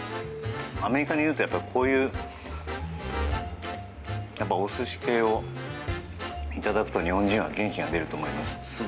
アメリカにいてこういうお寿司系をいただくと日本人は元気が出ると思います。